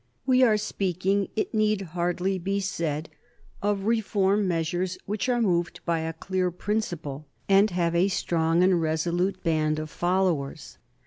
We are speaking, it need hardly be said, of reform measures which are moved by a clear principle and have a strong and resolute band of followers.